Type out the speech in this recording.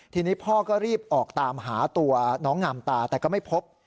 ทีนี้พ่อก็รีบออกตามหาตัวน้องงามตาแต่ก็ไม่พบ